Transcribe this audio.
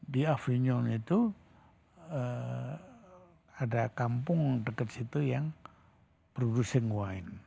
di avenion itu ada kampung dekat situ yang produsen wine